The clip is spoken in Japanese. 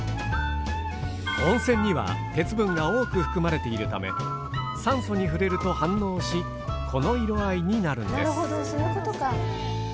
温泉には鉄分が多く含まれているため酸素に触れると反応しこの色合いになるんです。